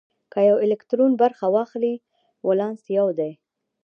که یو الکترون برخه واخلي ولانس یو دی.